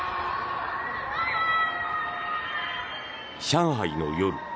上海の夜。